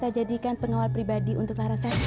ambilkan selendang tiang janji